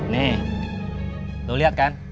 nih lo liat kan